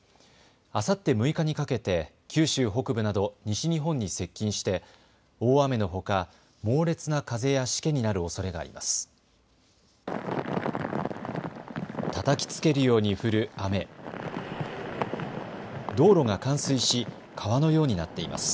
あさって６日にかけて九州北部など西日本に接近して大雨のほか猛烈な風やしけになるおそれがあります。